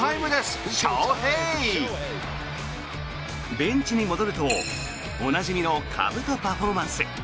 ベンチに戻ると、おなじみのかぶとパフォーマンス。